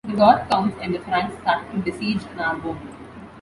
The Goth counts and the Franks started to besiege Narbonne.